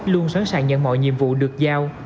luôn sẵn sàng nhận mọi nhiệm vụ được giao